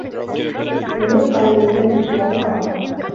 لم يبقى لدى سامي خيار آخر.